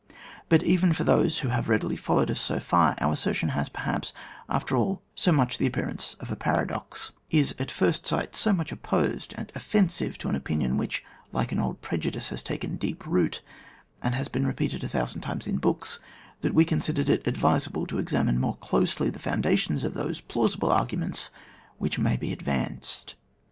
But even for those who have readily followed us so far, our assertion has, perhaps after all, so much the appearance of a paradox, is at first sight so much opposed and offensive to an opinion which, like an old prejudice, has taken deep root, and has been re peated a thousand times in books, that we considered it advisable to examine more closely the foimdation of those plausible arguments which may be advanced.